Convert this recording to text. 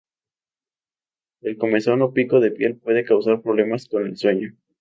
El comezón o pico de piel puede causar problemas con el sueño.